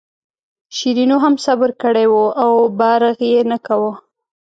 شیرینو هم صبر کړی و او برغ یې نه کاوه.